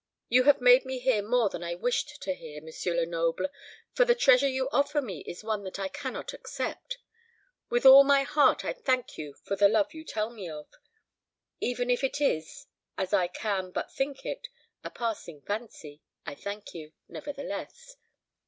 You have made me hear more than I wished to hear, M. Lenoble, for the treasure you offer me is one that I cannot accept. With all my heart I thank you for the love you tell me of. Even if it is, as I can but think it, a passing fancy, I thank you, nevertheless.